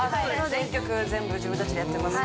全曲全部自分達でやってます。